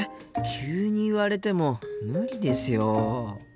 急に言われても無理ですよ。